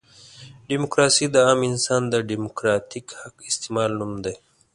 ډیموکراسي د عام انسان د ډیموکراتیک حق استعمال نوم دی.